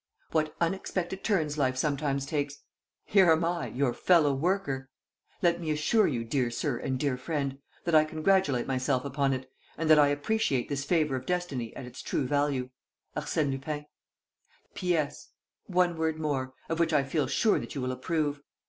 "What unexpected turns life sometimes takes! Here am I, your fellow worker! Let me assure you, dear sir and dear friend, that I congratulate myself upon it, and that I appreciate this favor of destiny at its true value. "ARSÈNE LUPIN. "P.S. One word more, of which I feel sure that you will approve.